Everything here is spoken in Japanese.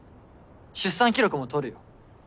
出産記録も撮るよ。